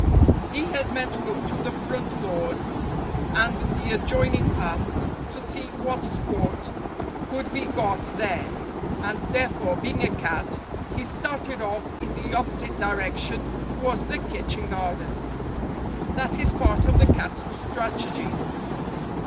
He had meant to go to the front lawn and the ad joining paths to see what sport could be got there, and, therefore, being a cat, he started off in the opposite direction towards the kitchen garden. That is part of the cat strategy.